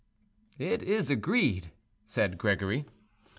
"It is agreed," said Gregory.